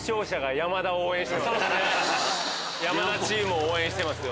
山田チームを応援してますよ